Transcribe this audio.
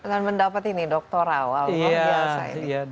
dan mendapat ini doktora